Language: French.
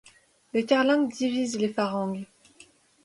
Des carlingues divisent les varangues.